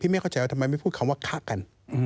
แม่เข้าใจว่าทำไมไม่พูดคำว่าฆ่ากัน